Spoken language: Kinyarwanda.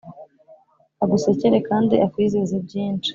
agusekere kandi akwizeze byinshi,